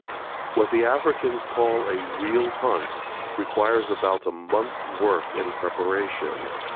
What the Africans call a real hunt requires about a month's work in preparation.